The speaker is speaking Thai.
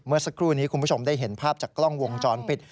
เมื่อสักครู่นี้คุณผู้ชมได้เห็นภาพจากกล้องวงจรปิด